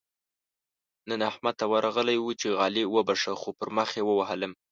نن احمد ته ورغلی وو؛ چې علي وبښه - خو پر مخ يې ووهلم.